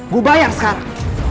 gu bayar sekarang